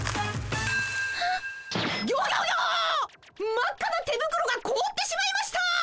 真っ赤な手ぶくろがこおってしまいました！